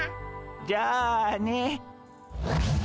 じゃあね。